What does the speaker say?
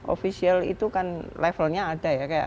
ofisial itu kan levelnya ada ya